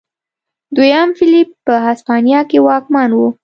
دویم فلیپ په هسپانیا کې واکمن و.